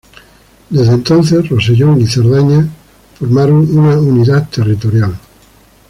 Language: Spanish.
Desde entonces, Rosellón y Cerdaña formaron una unidad territorial.